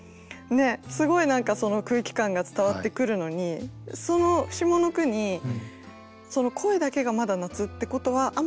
すごい何かその空気感が伝わってくるのにその下の句に「声だけがまだ夏」ってことはあっ